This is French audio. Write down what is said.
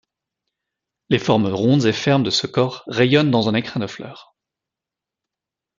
Les formes rondes et fermes de ce corps rayonnent dans un écrin de fleurs.